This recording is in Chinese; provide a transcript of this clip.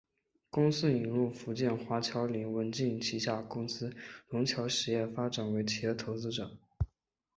公司引入福建华侨林文镜旗下公司融侨实业发展为企业投资者。